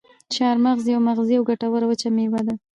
چارمغز یوه مغذي او ګټوره وچه میوه ده.